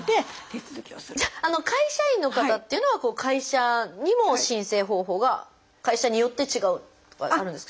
会社員の方っていうのは会社にも申請方法が会社によって違うとかあるんですか？